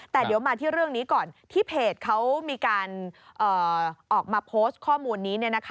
แต่เดี๋ยวมาที่เรื่องนี้ก่อนที่เพจเขามีการออกมาโพสต์ข้อมูลนี้